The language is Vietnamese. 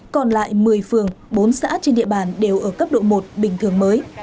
còn lại một mươi phường bốn xã trên địa bàn đều ở cấp độ một bình thường mới